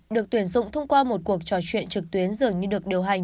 được tuyển dụng thông qua một cuộc trò chuyện trực tuyến dường như được điều hành